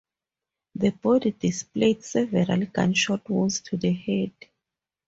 The body displayed several gunshot wounds to the head.